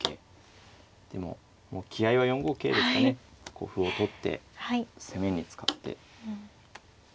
こう歩を取って攻めに使って。